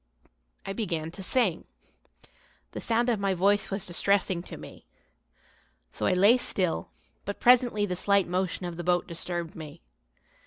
I began to sing. The sound of my voice was distressing to me. So I lay still, but presently the slight motion of the boat disturbed me.